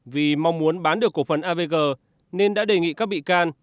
vì mong muốn bán được cổ phần avg nên đã đề nghị các bị can